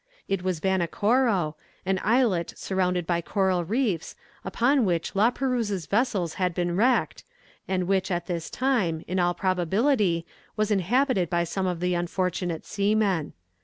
It was Vanikoro, an islet surrounded by coral reefs, upon which La Perouse's vessels had been wrecked, and which at this time, in all probability, was inhabited by some of the unfortunate seamen.